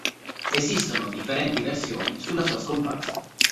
Esistono differenti versioni sulla sua scomparsa.